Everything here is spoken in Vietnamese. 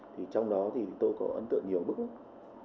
thì trong đó thì tôi có ấn tượng nhiều bức